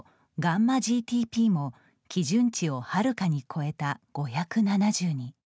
γＧＴＰも基準値をはるかに超えた５７０に。